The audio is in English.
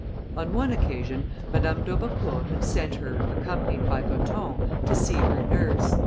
On one occasion, Madame d'Aubecourt had sent her, accompanied by Gothon, to see her nurse.